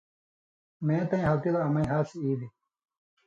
مے تَیں حالتی لا اَمیں ہَاسیۡ اِیلیۡ،